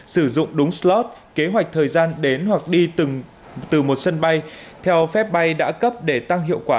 sử dụng đúng slot kế hoạch thời gian đến hoặc đi từ một sân bay theo phép bay đã cấp để tăng hiệu quả